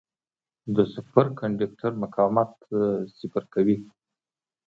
د سوپر کنډکټر مقاومت صفر کوي.